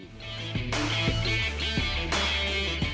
dan kita untuk membangun industri perdagangan di dalam negeri